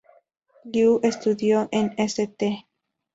Liu Estudió en St.